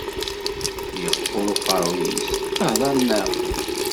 Yeqqur uqerruy-is, hdeṛ neɣ qqim.